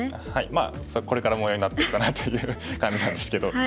まあこれから模様になっていくかなという感じなんですけど。